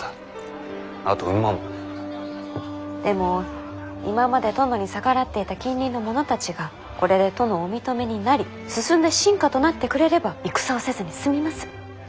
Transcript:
でも今まで殿に逆らっていた近隣の者たちがこれで殿をお認めになり進んで臣下となってくれれば戦をせずに済みます。